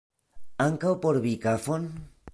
Ankaŭ por vi kafon?